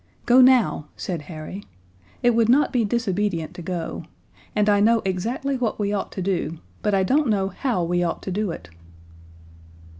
"Go now," said Harry. "It would not be disobedient to go. And I know exactly what we ought to do, but I don't know how we ought to do it."